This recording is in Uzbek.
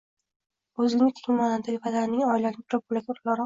o‘zingni keng ma’nodagi Vatanning, oilaning bir bo‘lagi o‘laroq